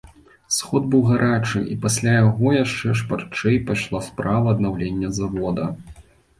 Сход быў гарачы, і пасля яго яшчэ шпарчэй пайшла справа аднаўлення завода.